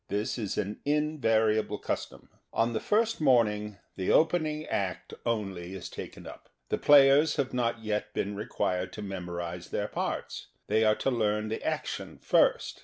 This is an invariable custom. On the first morning the opening act 148 The Theatre and Its People only is taken up. The players have not yet been required to memorize their parts. They are to learn the action first.